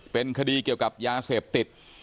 เป็นคดีเกี่ยวกับยาเสพติด